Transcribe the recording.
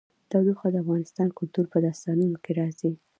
تودوخه د افغان کلتور په داستانونو کې راځي.